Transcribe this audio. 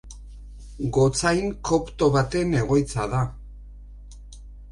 Gotzain kopto baten egoitza da.